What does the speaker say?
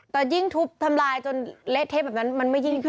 แต่ยิ่งทุบทำลายจนเละเทะแบบนั้นมันไม่ยิ่งขึ้น